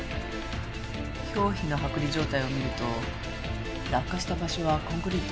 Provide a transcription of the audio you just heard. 表皮の剥離状態を見ると落下した場所はコンクリート？